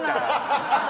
ハハハハ！